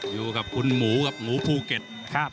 อยู่กับคุณหมูครับหมูภูเก็ตครับ